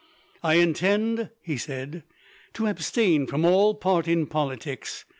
"I intend," he said, "to abstain from all part in politics.